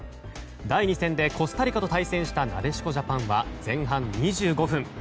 第２戦でコスタリカと対戦したなでしこジャパンは前半２５分。